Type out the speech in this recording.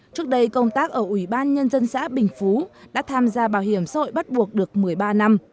trước đây công tác ở ủy ban nhân dân xã bình phú đã tham gia bảo hiểm xã hội bắt buộc được một mươi ba năm